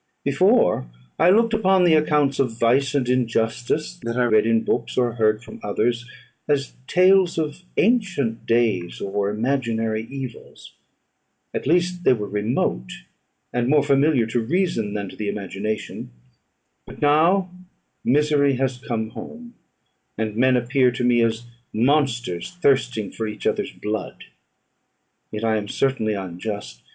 Before, I looked upon the accounts of vice and injustice, that I read in books or heard from others, as tales of ancient days, or imaginary evils; at least they were remote, and more familiar to reason than to the imagination; but now misery has come home, and men appear to me as monsters thirsting for each other's blood. Yet I am certainly unjust.